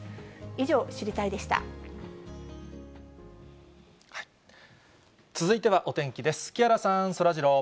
以上、続いてはお天気です。